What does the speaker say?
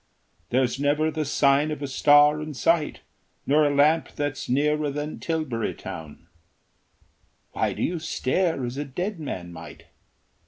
There's never the sign of a star in sight, Nor a lamp that's nearer than Tilbury Town. Why do you stare as a dead man might?